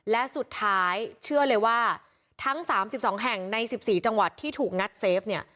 และสุดท้ายเชื่อเลยว่าทั้ง๓๒แห่งใน๑๔จังหวัดที่ถูกงัดเซฟเนี่ย